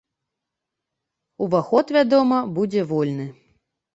Уваход, вядома, будзе вольны.